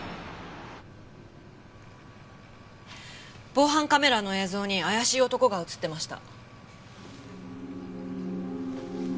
防犯カメラの映像に怪しい男が映ってました。